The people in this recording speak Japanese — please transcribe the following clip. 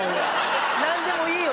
何でもいいよ